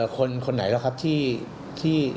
คนไหนล่ะครับที่